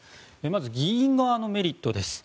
まず、議員側のメリットです。